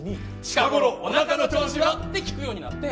近頃お腹の調子は？って聞くようになって。